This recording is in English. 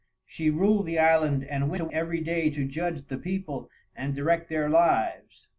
She ruled the island and went every day to judge the people and direct their lives.